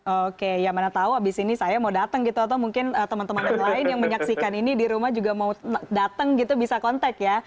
oke ya mana tahu abis ini saya mau datang gitu atau mungkin teman teman yang lain yang menyaksikan ini di rumah juga mau datang gitu bisa kontak ya